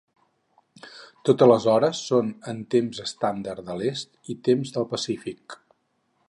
Totes les hores són en Temps Estàndard de l'est i Temps del Pacífic.